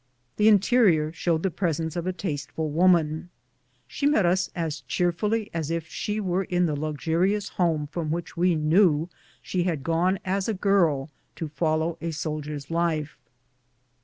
The interior showed the presence of a tasteful woman. She met us as cheerfully as if she were in the luxurious home from which we knew she had gone as a girl to follow a soldier's life.